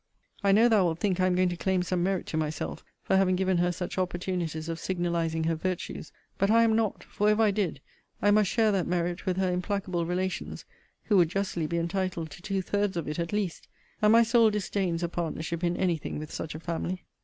I know thou wilt think I am going to claim some merit to myself, for having given her such opportunities of signalizing her virtues. But I am not; for, if I did, I must share that merit with her implacable relations, who would justly be entitled to two thirds of it, at least: and my soul disdains a partnership in any thing with such a family.